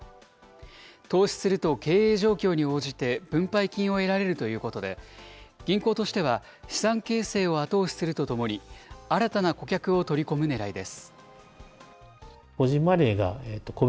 投資すると経営状況に応じて、分配金を得られるということで、銀行としては、資産形成を後押しするとともに、新たな顧客を取り込むねらいです。